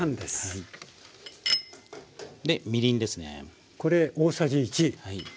でみりんですね。